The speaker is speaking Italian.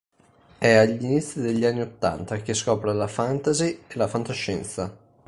È agli inizi degli anni ottanta che scopre la fantasy e la fantascienza.